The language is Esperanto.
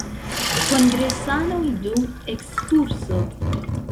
Kongresanoj dum ekskurso.